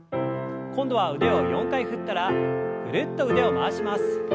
今度は腕を４回振ったらぐるっと腕を回します。